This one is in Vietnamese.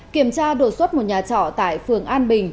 kiểm tra đột xuất một nhà trọ tại phường an bình